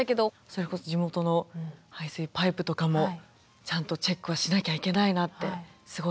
それこそ地元の排水パイプとかもちゃんとチェックはしなきゃいけないなってすごい思いました。